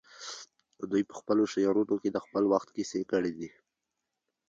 دوی په خپلو شعرونو کې د خپل وخت کیسې کړي دي